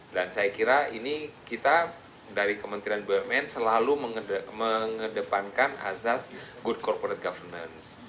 dan saya kira ini kita dari kementerian bumn selalu mengedepankan asas good corporate governance